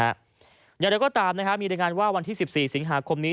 อย่างไรก็ตามมีรายงานว่าวันที่๑๔สิงหาคมนี้